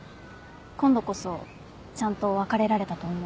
今度こそちゃんと別れられたと思う。